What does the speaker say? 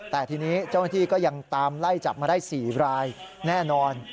แต่ทีนี้เจ้าหน้าที่ก็ยังตามไล่จับมาได้๔รายแน่นอน